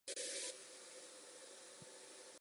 某些人可能会因此而窃盗他人的内衣。